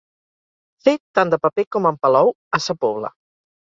Fer tant de paper com en Palou a sa Pobla.